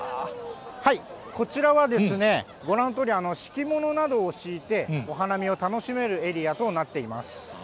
こちらはですね、ご覧のとおり、敷物などを敷いて、お花見を楽しめるエリアとなっています。